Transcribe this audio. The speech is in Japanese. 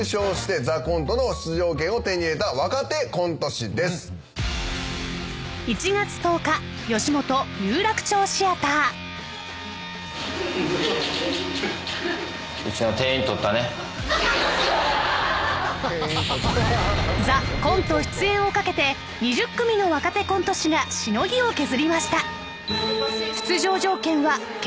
［『ＴＨＥＣＯＮＴＥ』出演を懸けて２０組の若手コント師がしのぎを削りました］